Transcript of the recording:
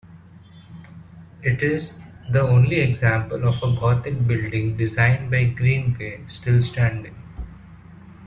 It is the only example of a gothic building designed by Greenway still standing.